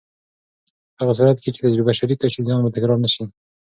په هغه صورت کې چې تجربه شریکه شي، زیان به تکرار نه شي.